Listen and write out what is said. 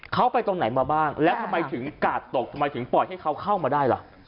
เขาไปตรงไหนมาบ้างแล้วทำไมถึงกาดตกทำไมถึงปล่อยให้เขาเข้ามาได้ล่ะ